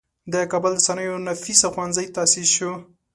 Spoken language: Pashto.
د کابل د صنایعو نفیسه ښوونځی تاسیس شو.